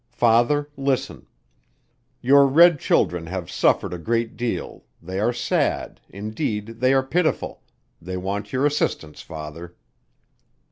"Father Listen. Your red children have suffered a great deal, they are sad, indeed they are pitiful, they want your assistance Father.